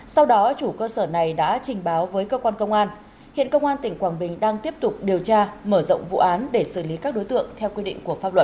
sau đó chủ cơ sở này đã trình báo với cơ quan công an hiện công an tỉnh quảng bình đang tiếp tục điều tra mở rộng vụ án để xử lý các đối tượng theo quy định của pháp luật